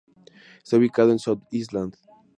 Está ubicado en South Island.